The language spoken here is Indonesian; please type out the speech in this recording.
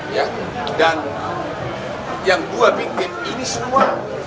ya dan yang dua bikin ini semua